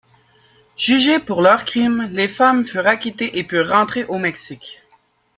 Jugées pour leur crime, les femmes furent acquittées et purent rentrer au Mexique.